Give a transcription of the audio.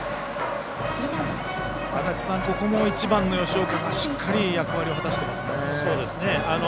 ここも１番の吉岡がしっかり役割を果たしていますね。